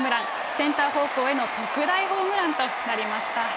センター方向への特大ホームランとなりました。